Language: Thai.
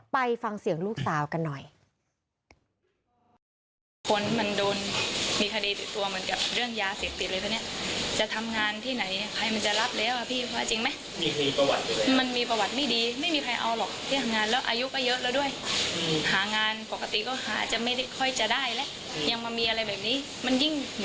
ไปฟังเสียงลูกสาวกันหน่อย